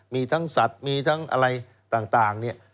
มีทั้งสัตว์มีทั้งอะไรต่างเนี่ย